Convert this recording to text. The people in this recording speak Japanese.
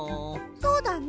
そうだね。